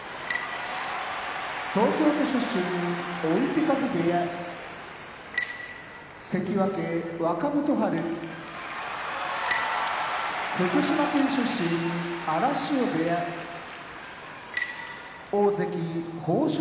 東京都出身追手風部屋関脇・若元春福島県出身荒汐部屋大関豊昇